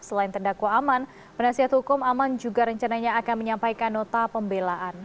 selain terdakwa aman penasihat hukum aman juga rencananya akan menyampaikan nota pembelaan